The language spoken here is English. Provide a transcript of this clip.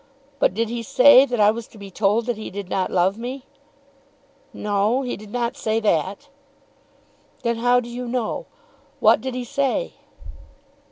But did he say that I was to be told that he did not love me?" "No; he did not say that." "Then how do you know? What did he say?"